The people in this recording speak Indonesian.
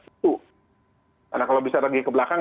karena kalau bisa lagi kebelakang